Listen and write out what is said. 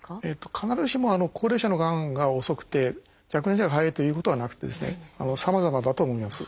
必ずしも高齢者のがんが遅くて若年者が早いというということはなくてさまざまだと思います。